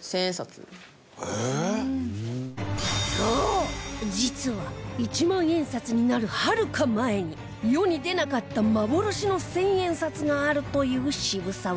そう実は一万円札になるはるか前に世に出なかった幻の千円札があるという渋沢栄一